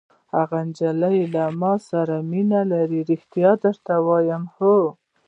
هغه نجلۍ له ما سره مینه لري! ریښتیا درته وایم. هو.